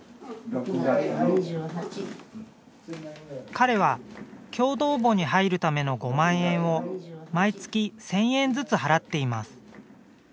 彼は共同墓に入るための５万円を毎月１０００円ずつ払っています。